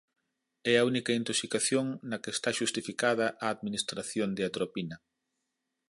É a única intoxicación na que está xustificada a administración de atropina.